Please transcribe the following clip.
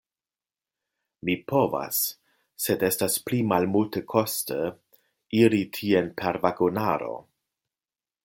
Mi povas, sed estas pli malmultekoste iri tien per vagonaro.